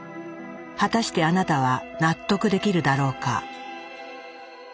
果たしてあなたは納得できるだろうか。